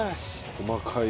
細かい。